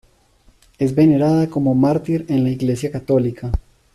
Es venerada como mártir en la Iglesia católica.